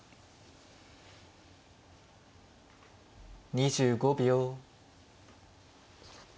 ２５秒。